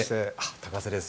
高瀬です。